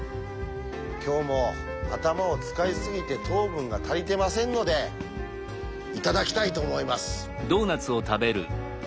今日も頭を使い過ぎて糖分が足りてませんのでいただきたいと思います。